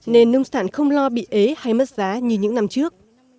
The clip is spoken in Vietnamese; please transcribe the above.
nên nông sản không lo bị ế hay mất giá như những năm trước